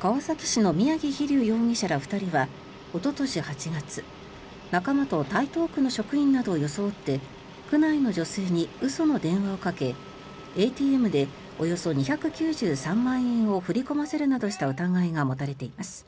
川崎市の宮城飛竜容疑者ら２人はおととし８月仲間と台東区の職員などを装って区内の女性に嘘の電話をかけＡＴＭでおよそ２９３万円を振り込ませるなどした疑いが持たれています。